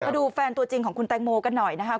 มาดูแฟนตัวจริงของคุณแตงโมกันหน่อยนะครับ